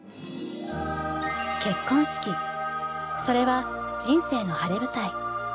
それは人生の晴れ舞台。